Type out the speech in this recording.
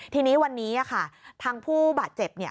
ทีนี้วันนี้ค่ะทางผู้บาดเจ็บเนี่ย